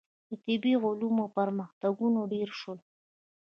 • د طبیعي علومو پرمختګونه ډېر شول.